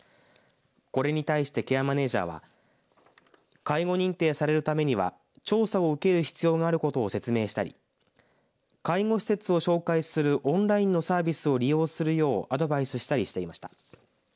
これに対してケアマネージャーは介護認定されるためには調査を受ける必要があることを説明したり介護施設を紹介するオンラインのサービスを利用するようアドバイスしたりしていました。